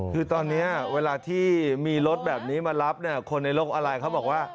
คือตอนนี้เวลาที่มีรถแบบนี้มารับเนี่ยคนในโลกออนไลน์เขาบอกว่า